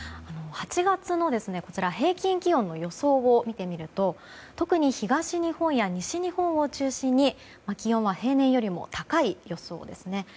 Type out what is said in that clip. ８月の平均気温の予想を見てみると特に東日本や西日本を中心に気温は平年よりも高い予想ですね。